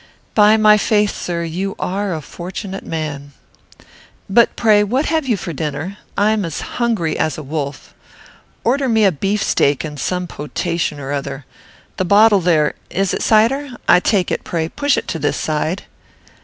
By my faith, sir, you are a fortunate man. But, pray, what have you for dinner? I am hungry as a wolf. Order me a beef steak, and some potation or other. The bottle there, it is cider, I take it; pray, push it to this side."